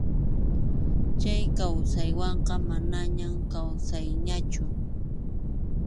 Chay kawsaywanqa manañam kawsayñachu.